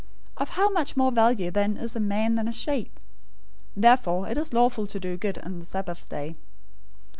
012:012 Of how much more value then is a man than a sheep! Therefore it is lawful to do good on the Sabbath day."